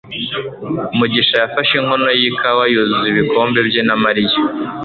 mugisha yafashe inkono yikawa yuzuza ibikombe bye na mariya